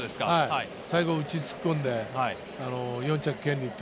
最後、内、突っ込んで４着、権利。